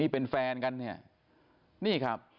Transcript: เป็นแฟนกันนะครับ